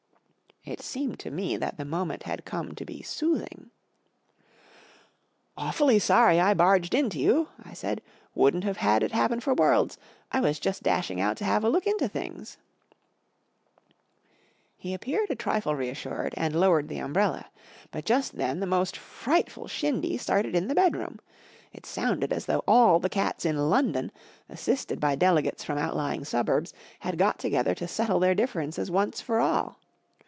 It seemed to me that the moment had come to be soothinqincil from UNIVERSITY OF MICHIGAN P. G. Wodehouse 237 Awfully sorry I barged into yon/' 1 said. 41 Wouldn't have had it happen for worlds, 1 was just dashing out to have a look into things/" He appeared a trifle reassured, and lowered the umbrella* But just then the most frightful shindy started in the bedroom. It sounded as though all the cats in London, assisted by delegates from outlying suburbs, had got together to settle their differences once for all.